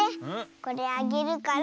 これあげるから。